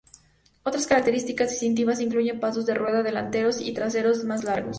Otras características distintivas incluyen pasos de rueda delanteros y traseros más largos.